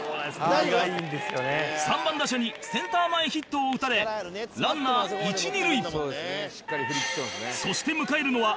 ３番打者にセンター前ヒットを打たれランナー一二塁